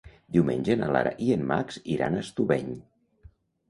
Diumenge na Lara i en Max iran a Estubeny.